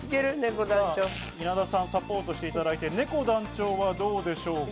稲田さん、サポートしていただいて、ねこ団長はどうでしょうか？